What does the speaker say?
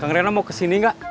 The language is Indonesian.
kang reno mau kesini gak